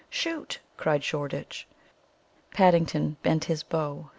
shoot!" cried Shoreditch. Paddington bent his bow.